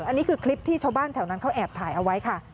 อันนี้คือคลิปที่ชาวบ้านแถวนั้นเขาแอบถ่ายเอาไว้ค่ะ